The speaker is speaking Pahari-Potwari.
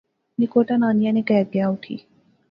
نکوٹا نانیاں نے کہر گیا اُٹھی